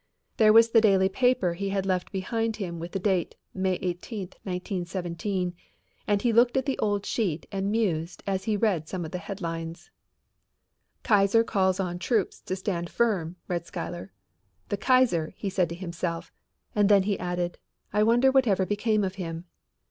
There was the daily paper he had left behind with the date May 8, 1917, and he looked at the old sheet and mused as he read some of the headlines: "Kaiser Calls on Troops to Stand Firm," read Schuyler. "The Kaiser," he said to himself, and then he added: "I wonder whatever became of him."